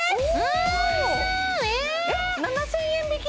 ７０００円引き？